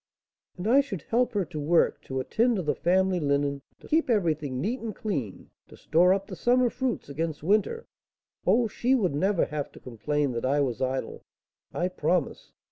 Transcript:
"And I should help her to work, to attend to the family linen, to keep everything neat and clean, to store up the summer fruits against winter oh, she would never have to complain that I was idle, I promise!